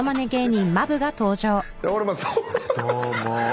どうも。